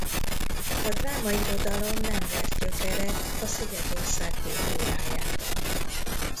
A drámairodalom nem vert gyökeret a szigetország kultúrájában.